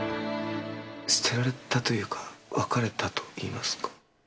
捨てられたというか別れたといいますか。